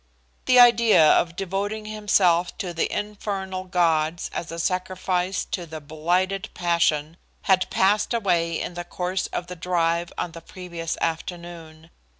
The idea of devoting himself to the infernal gods as a sacrifice to the blighted passion had passed away in the course of the drive on the previous afternoon.